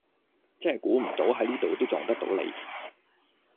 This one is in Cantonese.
真係估唔到喺呢度都撞得到你